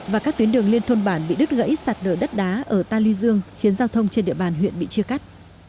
và các tuyến đường liên thôn bản bị đứt gãy sạt đỡ đất đá ở ta lưu dương khiến giao thông trên địa bàn huyện bị chia cắt